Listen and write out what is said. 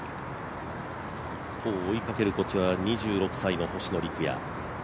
一方、追いかける２６歳の星野陸也。